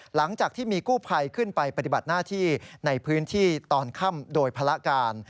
หลังจากที่มีกู้ภัยขึ้นไปปฏิบัติหน้าที่ในพื้นที่ตอนค่ำโดยภาระการ